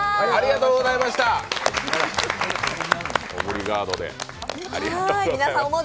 オブリガードで。